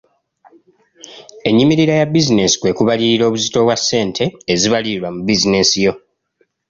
Ennyimirira ya bizinensi kwe kubalirira obuzito oba ssente ezibalirirwa mu bizinensi yo.